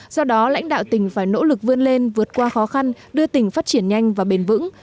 do đó lãnh đạo tỉnh phải nỗ lực vươn lên vượt qua khó khăn đưa tỉnh phát triển nhanh và bền vững